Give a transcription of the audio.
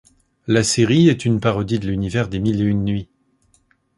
La série est une parodie de l'univers des mille et une nuits.